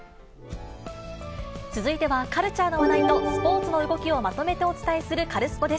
続いては、カルチャーの話題とスポーツの動きをまとめてお伝えするカルスポ